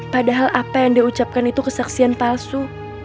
padahal apa yang dia ucapkan itu kesaksian palsu